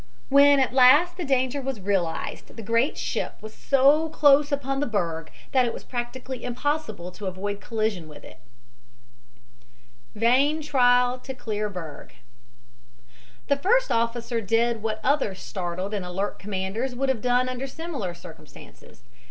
When at last the danger was realized, the great ship was so close upon the berg that it was practically impossible to avoid collision with it VAIN TRIAL TO CLEAR BERG The first officer did what other startled and alert commanders would have done under similar circumstances, that is {illust.